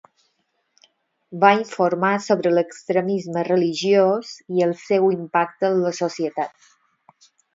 Va informar sobre l'extremisme religiós i el seu impacte en la societat.